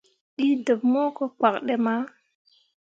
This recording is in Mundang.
Ɗii deɓ hũũ ko kpak ɗi mah.